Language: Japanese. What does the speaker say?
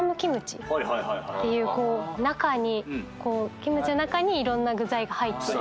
こう中にキムチの中にいろんな具材が入ってる。